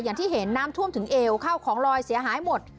อย่างที่เห็นน้ำท่วมถึงเอวเข้าของลอยเสียหายหมด